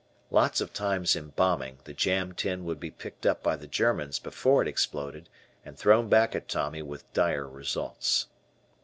Lots of times in bombing, the "Jam tin" would be picked up by the Germans, before it exploded and thrown back at Tommy with dire results.